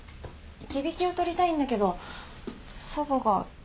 忌引を取りたいんだけど祖母が。